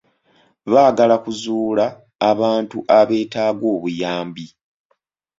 Baagala kuzuula abantu abeetaaga obuyambi.